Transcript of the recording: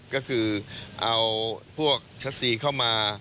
ก็คือเอาพวกชัสซีเข้ามา